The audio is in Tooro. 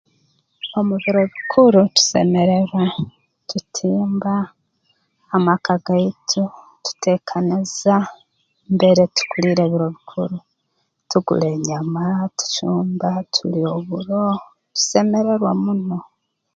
Omu biro bikuru tusemererwa tutimba amaka gaitu teteekaniza mbere tukuliira ebiro bikuru tugura enyama tucumba tulya oburo tusemererwa muno